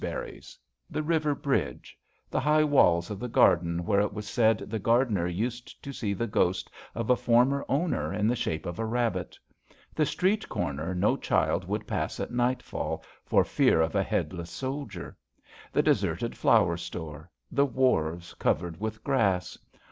891 berries ; the river bridge ; the high walls of the garden where it was said the gardener used to see the ghost of a former owner in the shape of a rabbit ; the street corner no child would pass at nightfall for fear of the headless soldier; the deserted flour store; the wharves covered with grass.